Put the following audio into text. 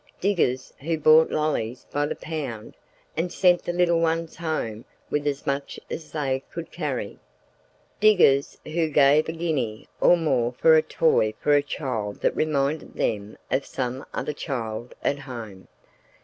Diggers who bought lollies by the pound and sent the little ones home with as much as they could carry. Diggers who gave a guinea or more for a toy for a child that reminded them of some other child at home.